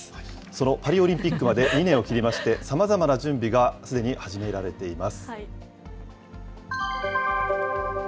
そのパリオリンピックまで２年を切りまして、さまざまな準備がすでに始められています。